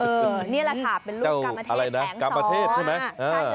เออนี่แหละค่ะเป็นรูปกรรมเทพแหลงสอนอะไรนะกรรมเทพใช่ไหม